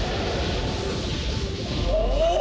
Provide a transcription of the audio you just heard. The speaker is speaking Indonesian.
makam kesepakatan yang telah kubah kira kira